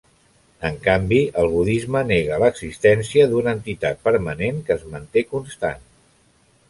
En canvi, el budisme nega l'existència d'una entitat permanent que es manté constant.